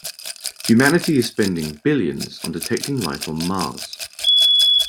Humanity is spending billions on detecting life on Mars.